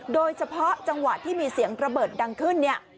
โดยเฉพาะจังหวะที่มีเสียงระเบิดดังขึ้นเนี่ย